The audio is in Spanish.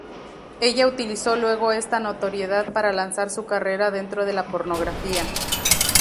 Ella utilizó luego esta notoriedad para lanzar su carrera dentro de la pornografía.